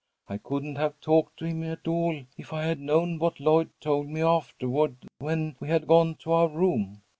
I couldn't have talked to him at all if I had known what Lloyd told me afterward when we had gone to our room.